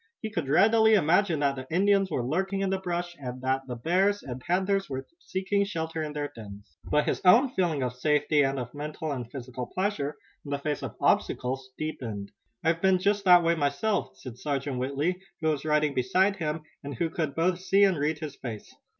He could readily imagine that the Indians were lurking in the brush, and that the bears and panthers were seeking shelter in their dens. But his own feeling of safety and of mental and physical pleasure in the face of obstacles deepened. "I've been just that way myself," said Sergeant Whitley, who was riding beside him and who could both see and read his face.